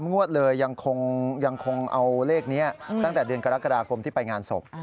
งวดเลยยังคงเอาเลขนี้ตั้งแต่เดือนกรกฎาคมที่ไปงานศพ